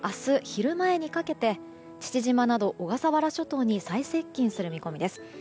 昼前にかけて父島など小笠原諸島に最接近する見込みです。